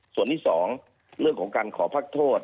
ส่วนที่๒เรื่องของการขอพักโทษ